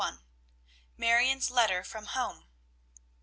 MARION'S LETTER FROM HOME.